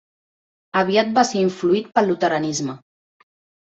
Aviat va ser influït pel luteranisme.